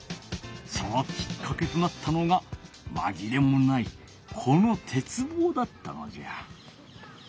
そのきっかけとなったのがまぎれもないこの鉄棒だったのじゃ。